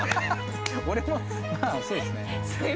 俺もまあそうですね。